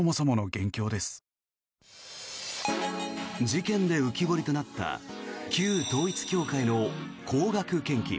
事件で浮き彫りとなった旧統一教会の高額献金。